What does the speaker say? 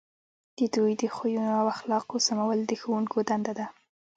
د دوی د خویونو او اخلاقو سمول د ښوونکو دنده ده.